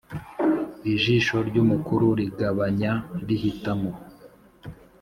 Ijisho ry’umukuru rigabanya rihitamo